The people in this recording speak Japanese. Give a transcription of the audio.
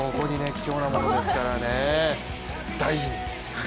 貴重なものですからね、大事に。